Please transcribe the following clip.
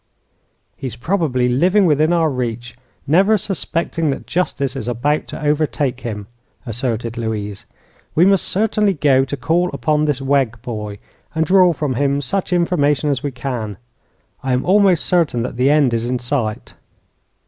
"He is probably living within our reach, never suspecting that justice is about to overtake him," asserted Louise. "We must certainly go to call upon this Wegg boy, and draw from him such information as we can. I am almost certain that the end is in sight."